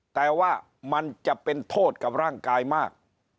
แต่ว่ามันจะเป็นโทษกับร่างกายมาก